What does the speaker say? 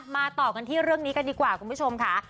ต่อกันที่เรื่องนี้กันดีกว่าคุณผู้ชมค่ะ